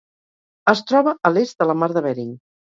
Es troba a l'est de la Mar de Bering.